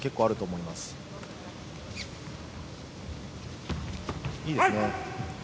いいですね。